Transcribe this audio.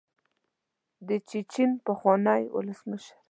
د چیچن پخواني ولسمشر.